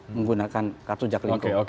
menggunakan kartu jack linko